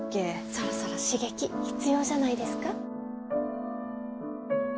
「そろそろ刺激必要じゃないですか？」